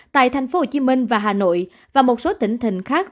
tại thành phố hồ chí minh và hà nội và một số tỉnh thịnh khác